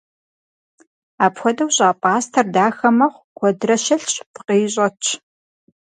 Апхуэдэу щӏа пӏастэр дахэ мэхъу, куэдрэ щылъщ, пкъыи щӏэтщ.